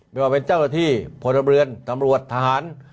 ไม่ว่าเป็นเจ้าหน้าที่โพธระบริเวณวัตรูปสหาร